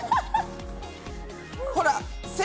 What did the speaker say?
ほら。